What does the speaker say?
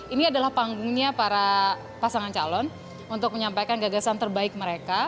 ini adalah panggungnya para pasangan calon untuk menyampaikan gagasan terbaik mereka